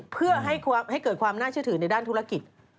เพื่อให้เกิดความน่าเชื่อถือในด้านธุรกิจ